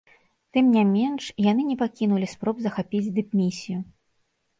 Тым не менш, яны не пакінулі спроб захапіць дыпмісію.